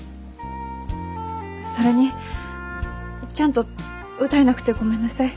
それにちゃんと歌えなくてごめんなさい。